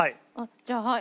じゃあはい。